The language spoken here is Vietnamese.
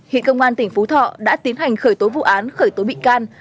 hiện công an tỉnh phú thọ đã tiến hành khởi tố vụ án khởi tố bị can